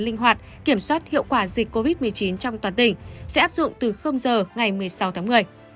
linh hoạt kiểm soát hiệu quả dịch covid một mươi chín trong toàn tỉnh sẽ áp dụng từ giờ ngày một mươi sáu tháng một mươi